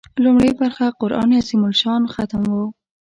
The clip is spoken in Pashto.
لومړۍ برخه قران عظیم الشان ختم و.